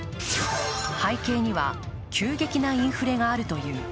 背景には、急激なインフレがあるという。